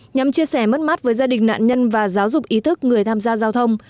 nhằm chia sẻ mất mát với gia đình nạn nhân và giáo dục ý thức người tham gia giao thông